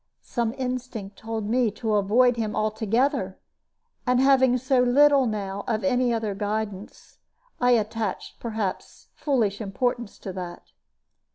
Some instinct told me to avoid him altogether; and having so little now of any other guidance, I attached, perhaps, foolish importance to that.